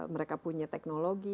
mereka punya teknologi